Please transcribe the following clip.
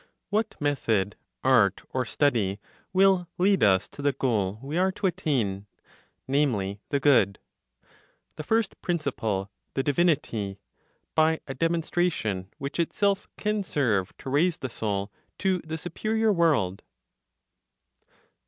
What method, art or study will lead us to the goal we are to attain, namely, the Good, the first Principle, the Divinity, by a demonstration which itself can serve to raise the soul to the superior world?